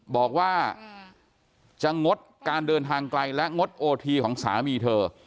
บอกว่าจะงดการเดินทางไกลและงดโอทีของสามีเธอ